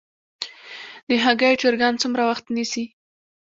د هګیو چرګان څومره وخت نیسي؟